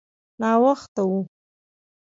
ناوخته و.